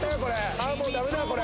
ああ、もうだめだ、これ。